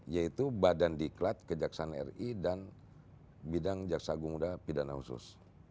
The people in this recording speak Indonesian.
yaitu badan niklat kejaksan ri dan bidang jaksa agung uda pidana usus